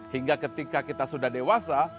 hingga ketika kita sudah dewasa